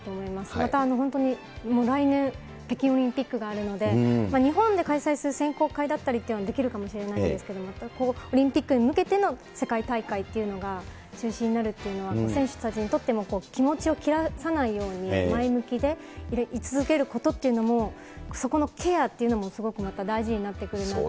また、本当に来年、北京オリンピックがあるので、日本で開催する選考会だったりというのはできるかもしれないんですけど、オリンピックに向けての世界大会というのが中止になるというのは、選手たちにとっても、気持ちを切らさないように、前向きでい続けることというのも、そこのケアというのもすごくまた大事になってくるなと。